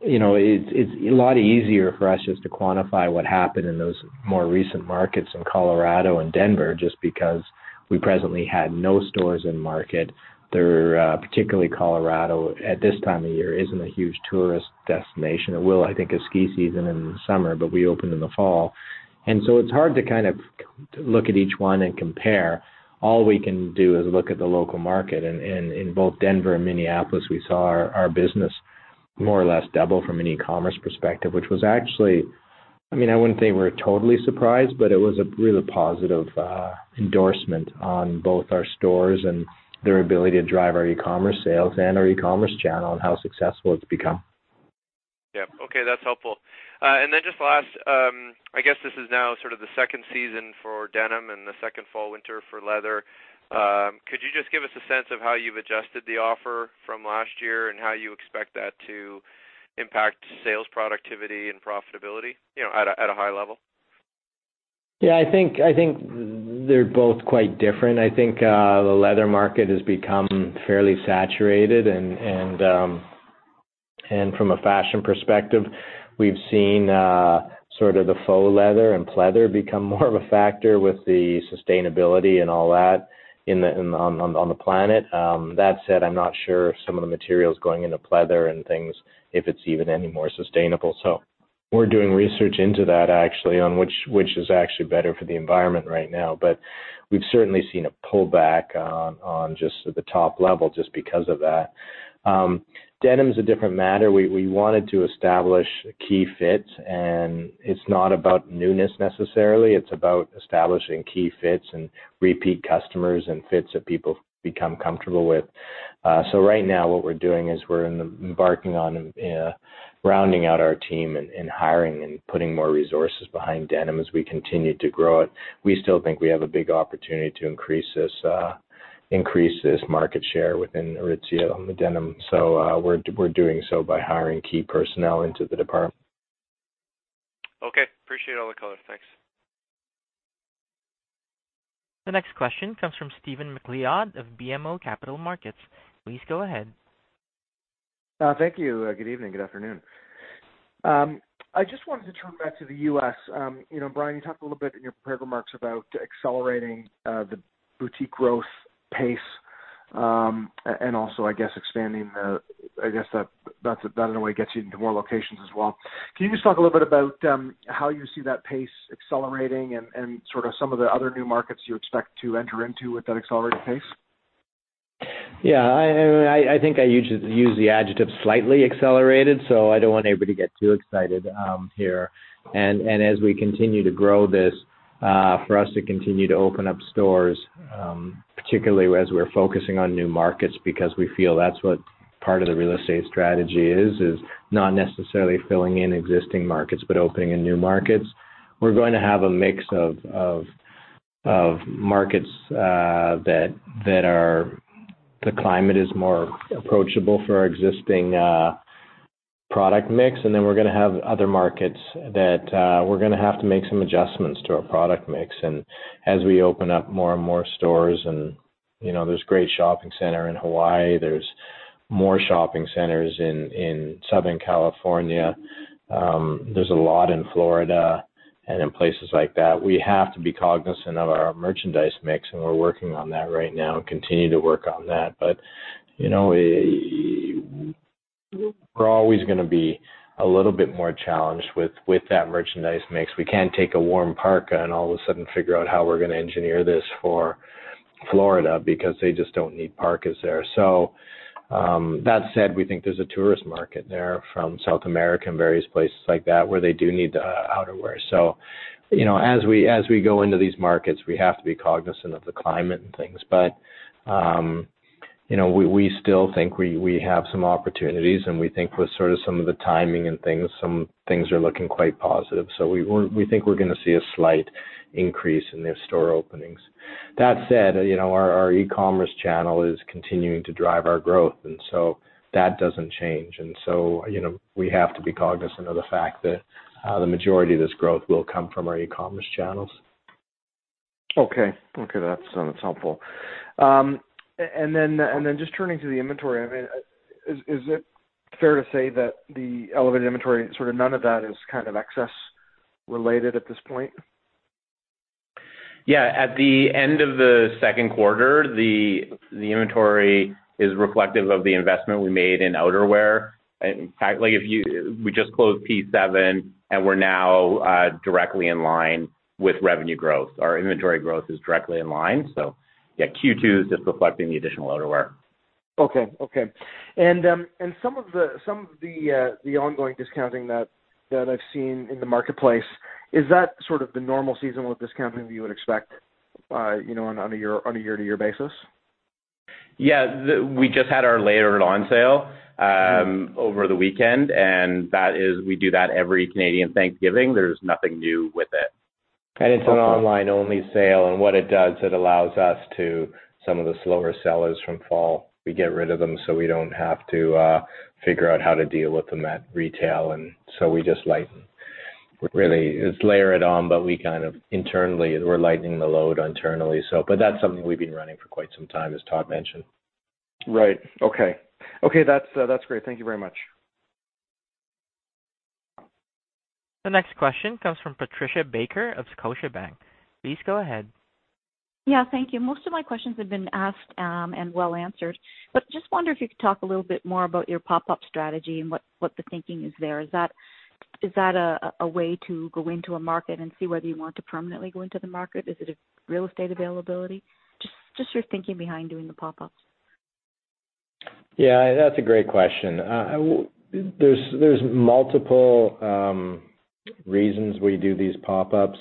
It's a lot easier for us just to quantify what happened in those more recent markets in Colorado and Denver, just because we presently had no stores in market there. Particularly Colorado, at this time of year, isn't a huge tourist destination. It will, I think, at ski season and in the summer, but we open in the fall. It's hard to kind of look at each one and compare. All we can do is look at the local market. In both Denver and Minneapolis, we saw our business more or less double from an e-commerce perspective, which was actually, I wouldn't say we were totally surprised, but it was a really positive endorsement on both our stores and their ability to drive our e-commerce sales and our e-commerce channel, and how successful it's become. Yeah. Okay, that's helpful. Just last, I guess this is now sort of the second season for denim and the second fall/winter for leather. Could you just give us a sense of how you've adjusted the offer from last year, and how you expect that to impact sales productivity and profitability at a high level? Yeah, I think they're both quite different. I think the leather market has become fairly saturated and from a fashion perspective, we've seen sort of the faux leather and pleather become more of a factor with the sustainability and all that on the planet. That said, I'm not sure if some of the materials going into pleather and things, if it's even any more sustainable. We're doing research into that actually, on which is actually better for the environment right now. We've certainly seen a pullback on just at the top level just because of that. Denim is a different matter. We wanted to establish key fits, and it's not about newness necessarily. It's about establishing key fits and repeat customers and fits that people become comfortable with. Right now what we're doing is we're embarking on rounding out our team and hiring and putting more resources behind denim as we continue to grow it. We still think we have a big opportunity to increase this market share within Aritzia on the denim. We're doing so by hiring key personnel into the department. The next question comes from Stephen MacLeod of BMO Capital Markets. Please go ahead. Thank you. Good evening. Good afternoon. I just wanted to turn back to the U.S. Brian, you talked a little bit in your prepared remarks about accelerating the boutique growth pace, also, I guess, expanding that in a way gets you into more locations as well. Can you just talk a little bit about how you see that pace accelerating and sort of some of the other new markets you expect to enter into with that accelerated pace? Yeah, I think I use the adjective slightly accelerated, so I don't want anybody to get too excited here. As we continue to grow this, for us to continue to open up stores, particularly as we're focusing on new markets, because we feel that's what part of the real estate strategy is not necessarily filling in existing markets, but opening in new markets. We're going to have a mix of markets that the climate is more approachable for our existing product mix, and then we're going to have other markets that we're going to have to make some adjustments to our product mix. As we open up more and more stores and there's a great shopping center in Hawaii, there's more shopping centers in Southern California, there's a lot in Florida and in places like that. We have to be cognizant of our merchandise mix, and we're working on that right now and continue to work on that. We're always going to be a little bit more challenged with that merchandise mix. We can't take a warm parka and all of a sudden figure out how we're going to engineer this for Florida because they just don't need parkas there. That said, we think there's a tourist market there from South America and various places like that where they do need outerwear. As we go into these markets, we have to be cognizant of the climate and things. We still think we have some opportunities, and we think with sort of some of the timing and things, some things are looking quite positive. We think we're going to see a slight increase in the store openings. That said, our e-commerce channel is continuing to drive our growth and so that doesn't change. We have to be cognizant of the fact that the majority of this growth will come from our e-commerce channels. Okay. That's helpful. Just turning to the inventory, is it fair to say that the elevated inventory, sort of none of that is kind of excess related at this point? At the end of the second quarter, the inventory is reflective of the investment we made in outerwear. In fact, we just closed P7 and we're now directly in line with revenue growth. Our inventory growth is directly in line. Q2 is just reflecting the additional outerwear. Okay. Some of the ongoing discounting that I've seen in the marketplace, is that sort of the normal seasonal discounting that you would expect on a year-to-year basis? Yeah. We just had our Layer it On Sale over the weekend, and we do that every Canadian Thanksgiving. There's nothing new with it. It's an online only sale, and what it does, it allows us to, some of the slower sellers from fall, we get rid of them so we don't have to figure out how to deal with them at retail, we just lighten. Really, it's Layer it On, but we kind of internally, we're lightening the load internally. That's something we've been running for quite some time, as Todd mentioned. Right. Okay. That's great. Thank you very much. The next question comes from Patricia Baker of Scotiabank. Please go ahead. Yeah, thank you. Most of my questions have been asked and well answered, but just wonder if you could talk a little bit more about your pop-up strategy and what the thinking is there? Is that a way to go into a market and see whether you want to permanently go into the market? Is it a real estate availability? Just your thinking behind doing the pop-ups? Yeah, that's a great question. There's multiple reasons we do these pop-ups.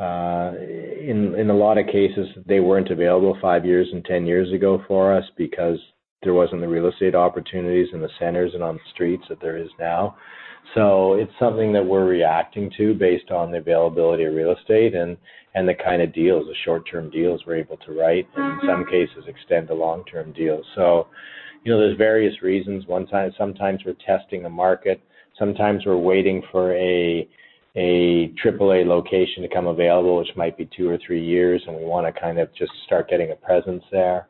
In a lot of cases, they weren't available five years and 10 years ago for us because there wasn't the real estate opportunities in the centers and on the streets that there is now. It's something that we're reacting to based on the availability of real estate and the kind of deals, the short-term deals we're able to write. In some cases, extend to long-term deals. There's various reasons. One, sometimes we're testing a market. Sometimes we're waiting for a triple A location to come available, which might be two or three years, and we want to kind of just start getting a presence there.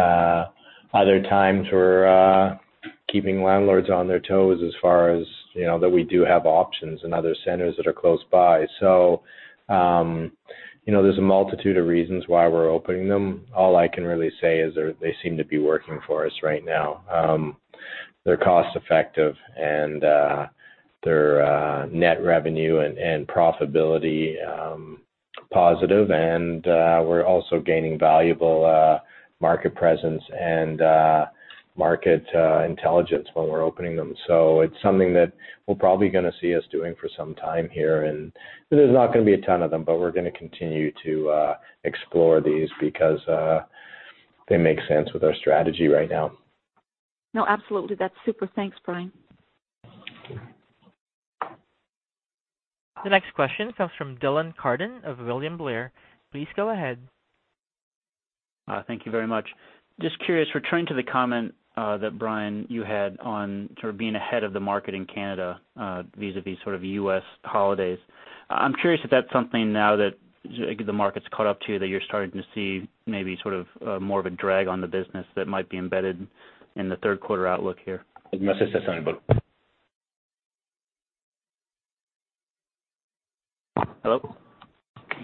Other times, we're keeping landlords on their toes as far as that we do have options in other centers that are close by. There's a multitude of reasons why we're opening them. All I can really say is they seem to be working for us right now. They're cost-effective and they're net revenue and profitability positive, and we're also gaining valuable market presence and market intelligence when we're opening them. It's something that we're probably going to see us doing for some time here, and there's not going to be a ton of them, but we're going to continue to explore these because they make sense with our strategy right now. No, absolutely. That's super. Thanks, Brian. Okay. The next question comes from Dylan Carden of William Blair. Please go ahead. Thank you very much. Just curious, returning to the comment that, Brian, you had on being ahead of the market in Canada vis-a-vis U.S. holidays. I'm curious if that's something now that the market's caught up to, that you're starting to see maybe more of a drag on the business that might be embedded in the third quarter outlook here. Hello?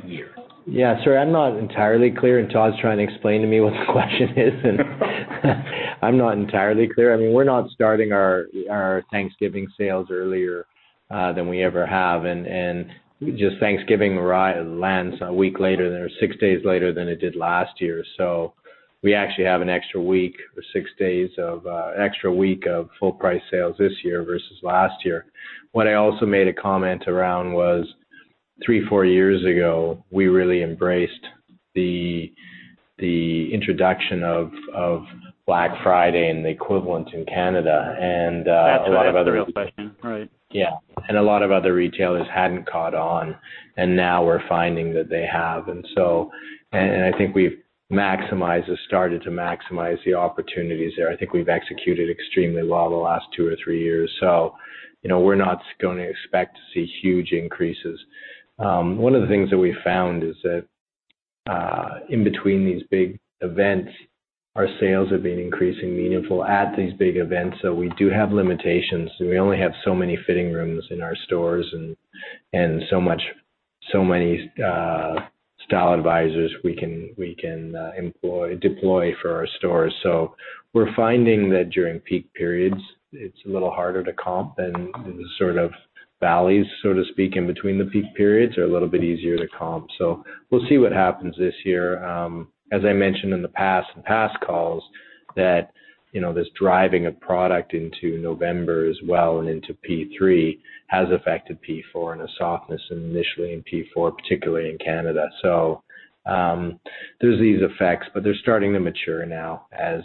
Yeah. Yeah. Sorry, I'm not entirely clear, and Todd's trying to explain to me what the question is, and I'm not entirely clear. We're not starting our Thanksgiving sales earlier than we ever have, and just Thanksgiving lands a week later, or six days later than it did last year. We actually have an extra week, or six days of extra week of full price sales this year versus last year. What I also made a comment around was, three, four years ago, we really embraced the introduction of Black Friday and the equivalent in Canada. A lot of other- That's the real question, right. Yeah. A lot of other retailers hadn't caught on, and now we're finding that they have. I think we've started to maximize the opportunities there. I think we've executed extremely well the last two or three years, so we're not going to expect to see huge increases. One of the things that we found is that in between these big events, our sales have been increasingly meaningful at these big events, so we do have limitations, and we only have so many fitting rooms in our stores and so many style advisors we can deploy for our stores. We're finding that during peak periods, it's a little harder to comp than the valleys, so to speak, in between the peak periods are a little bit easier to comp. We'll see what happens this year. As I mentioned in the past calls that this driving of product into November as well and into P3 has affected P4 and a softness initially in P4, particularly in Canada. There's these effects, but they're starting to mature now as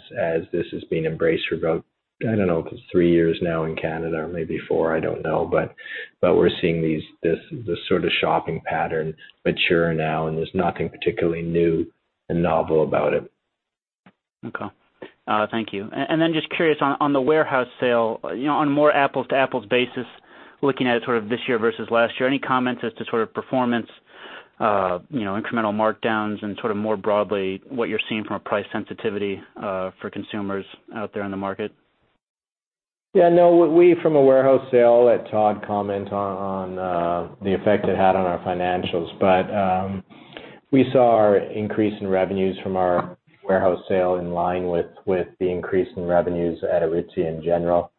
this has been embraced for, I don't know, three years now in Canada, or maybe four, I don't know. We're seeing this sort of shopping pattern mature now, and there's nothing particularly new and novel about it. Okay. Thank you. Just curious on the warehouse sale, on a more apples-to-apples basis, looking at it this year versus last year, any comments as to performance, incremental markdowns and more broadly, what you're seeing from a price sensitivity for consumers out there in the market? No, from a warehouse sale, let Todd comment on the effect it had on our financials. We saw our increase in revenues from our warehouse sale in line with the increase in revenues at Aritzia in general,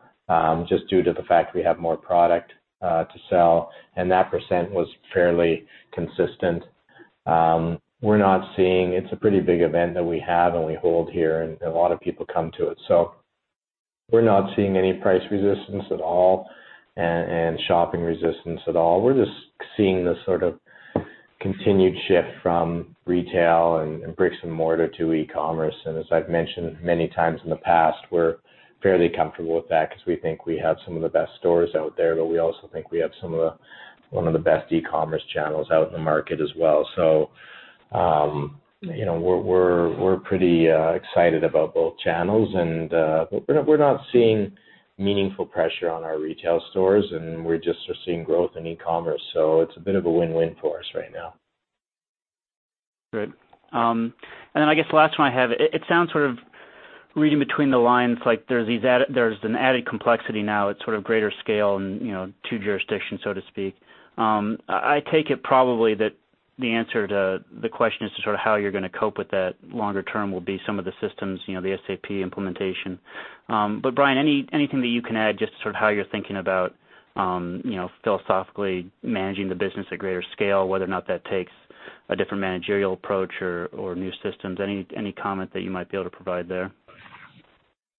just due to the fact we have more product to sell, and that percent was fairly consistent. It's a pretty big event that we have, and we hold here, and a lot of people come to it. We're not seeing any price resistance at all and shopping resistance at all. We're just seeing this continued shift from retail and bricks-and-mortar to e-commerce. As I've mentioned many times in the past, we're fairly comfortable with that because we think we have some of the best stores out there, but we also think we have one of the best e-commerce channels out in the market as well. We're pretty excited about both channels, and we're not seeing meaningful pressure on our retail stores, and we're just seeing growth in e-commerce. It's a bit of a win-win for us right now. Good. I guess the last one I have, it sounds sort of reading between the lines like there's an added complexity now at greater scale and two jurisdictions, so to speak. I take it probably that the answer to the question as to how you're going to cope with that longer term will be some of the systems, the SAP implementation. Brian, anything that you can add, just how you're thinking about philosophically managing the business at greater scale, whether or not that takes a different managerial approach or new systems. Any comment that you might be able to provide there?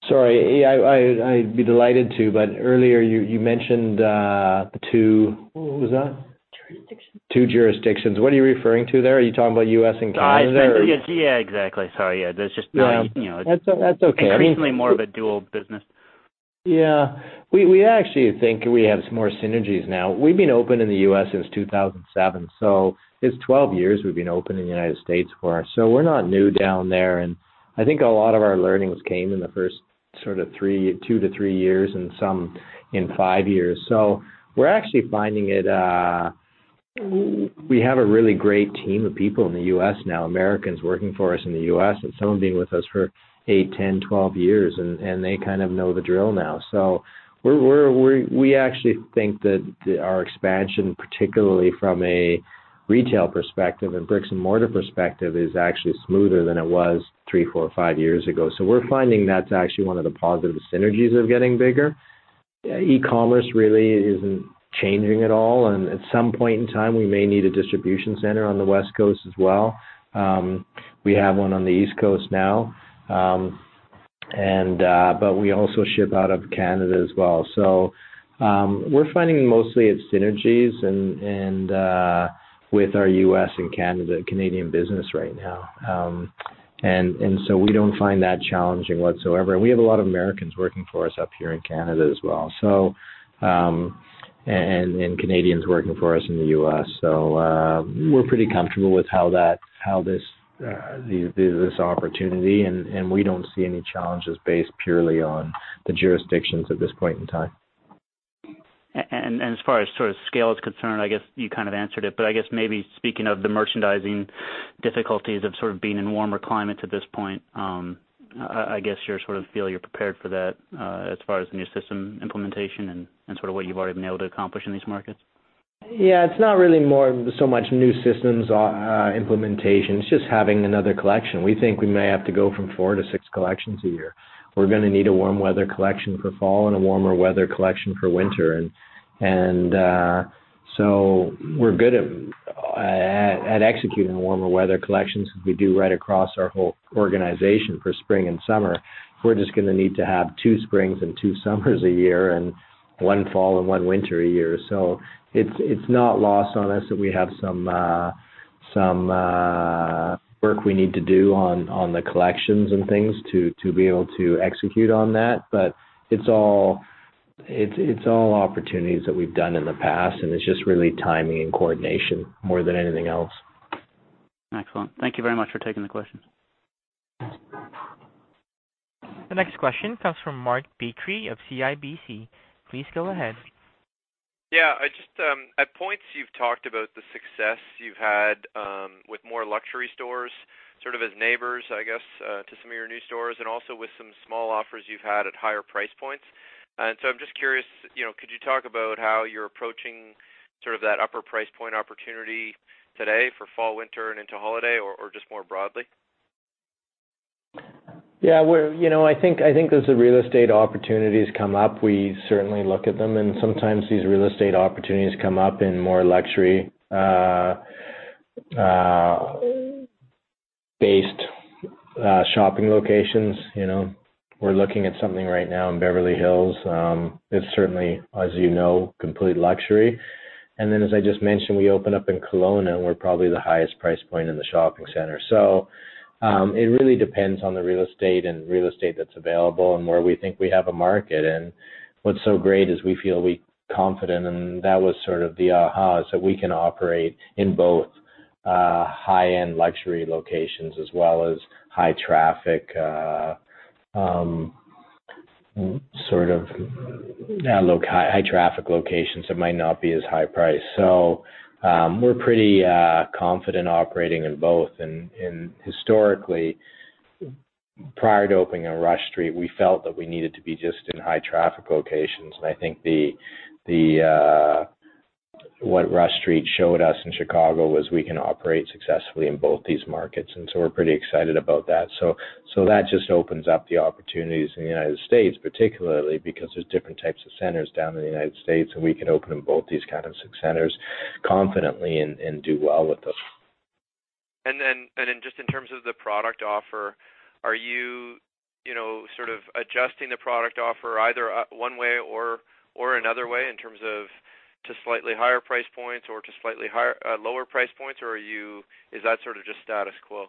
Sorry. I'd be delighted to. Earlier you mentioned two What was that? Jurisdictions. Two jurisdictions. What are you referring to there? Are you talking about U.S. and Canada? Yeah, exactly. Sorry. Yeah. No, that's okay. Increasingly more of a dual business. Yeah. We actually think we have some more synergies now. We've been open in the U.S. since 2007, so it's 12 years we've been open in the United States for. We're not new down there, and I think a lot of our learnings came in the first two to three years and some in five years. We're actually finding we have a really great team of people in the U.S. now, Americans working for us in the U.S., and some have been with us for eight, 10, 12 years, and they kind of know the drill now. We actually think that our expansion, particularly from a retail perspective and bricks-and-mortar perspective, is actually smoother than it was three, four, five years ago. We're finding that's actually one of the positive synergies of getting bigger. E-commerce really isn't changing at all, and at some point in time, we may need a distribution center on the West Coast as well. We have one on the East Coast now. We also ship out of Canada as well. We're finding mostly it's synergies and with our U.S. and Canadian business right now. We don't find that challenging whatsoever. We have a lot of Americans working for us up here in Canada as well, and Canadians working for us in the U.S. We're pretty comfortable with how this opportunity, and we don't see any challenges based purely on the jurisdictions at this point in time. As far as scale is concerned, I guess you kind of answered it, but I guess maybe speaking of the merchandising difficulties of sort of being in warmer climates at this point, I guess you sort of feel you're prepared for that as far as new system implementation and sort of what you've already been able to accomplish in these markets? Yeah, it's not really more so much new systems implementation. It's just having another collection. We think we may have to go from four to six collections a year. We're going to need a warm weather collection for fall and a warmer weather collection for winter. We're good at executing warmer weather collections because we do right across our whole organization for spring and summer. We're just going to need to have two springs and two summers a year and one fall and one winter a year. It's not lost on us that we have some work we need to do on the collections and things to be able to execute on that. It's all opportunities that we've done in the past and it's just really timing and coordination more than anything else. Excellent. Thank you very much for taking the questions. The next question comes from Mark Petrie of CIBC. Please go ahead. Yeah. At points you've talked about the success you've had with more luxury stores, sort of as neighbors, I guess, to some of your new stores and also with some small offers you've had at higher price points. I'm just curious, could you talk about how you're approaching sort of that upper price point opportunity today for fall, winter and into holiday or just more broadly? Yeah. I think as the real estate opportunities come up, we certainly look at them and sometimes these real estate opportunities come up in more luxury-based shopping locations. We're looking at something right now in Beverly Hills. It's certainly, as you know, complete luxury. Then as I just mentioned, we open up in Kelowna and we're probably the highest price point in the shopping center. It really depends on the real estate and real estate that's available and where we think we have a market. What's so great is we feel confident and that was sort of the aha, is that we can operate in both high-end luxury locations as well as high traffic locations that might not be as high price. We're pretty confident operating in both. Historically, prior to opening on Rush Street, we felt that we needed to be just in high traffic locations. I think what Rush Street showed us in Chicago was we can operate successfully in both these markets, and so we're pretty excited about that. That just opens up the opportunities in the United States, particularly because there's different types of centers down in the United States and we can open in both these kinds of centers confidently and do well with those. Just in terms of the product offer, are you sort of adjusting the product offer either one way or another way in terms of to slightly higher price points or to slightly lower price points, or is that sort of just status quo?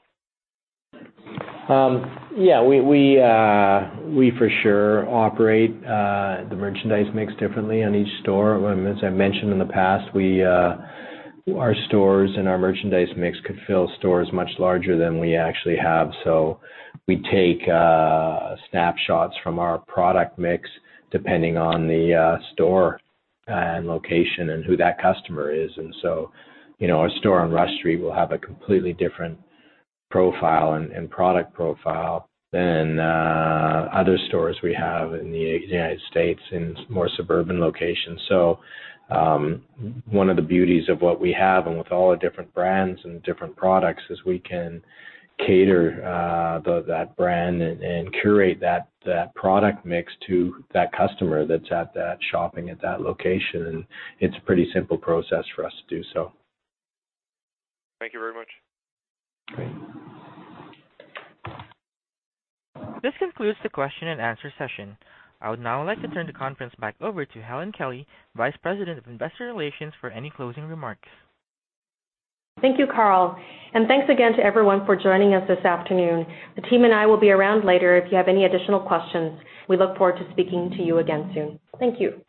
Yeah. We for sure operate the merchandise mix differently in each store. As I mentioned in the past, our stores and our merchandise mix could fill stores much larger than we actually have. We take snapshots from our product mix depending on the store and location and who that customer is. A store on Rush Street will have a completely different profile and product profile than other stores we have in the U.S. in more suburban locations. One of the beauties of what we have and with all the different brands and different products is we can cater that brand and curate that product mix to that customer that's at that shopping at that location and it's a pretty simple process for us to do so. Thank you very much. Okay. This concludes the question and answer session. I would now like to turn the conference back over to Helen Kelly, Vice President of Investor Relations for any closing remarks. Thank you, Carl. Thanks again to everyone for joining us this afternoon. The team and I will be around later if you have any additional questions. We look forward to speaking to you again soon. Thank you.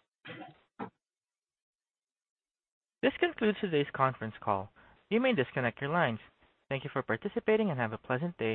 This concludes today's conference call. You may disconnect your lines. Thank you for participating and have a pleasant day.